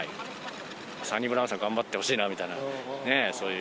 サニブラウンさん、頑張ってほしいなみたいな、そういう。